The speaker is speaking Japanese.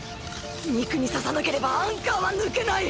肉に刺さなければアンカーは抜けない！！